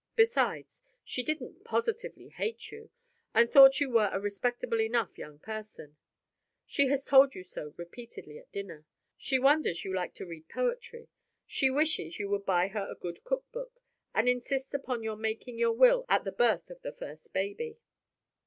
Besides, she didn't positively hate you, and thought you were a respectable enough young person; she has told you so repeatedly at dinner. She wonders you like to read poetry; she wishes you would buy her a good cook book; and insists upon your making your will at the birth of the first baby.